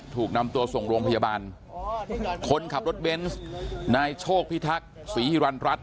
ถูกนำตัวส่งโรงพยาบาลคนขับรถเบนส์นายโชคพิทักษ์ศรีฮิรันรัฐ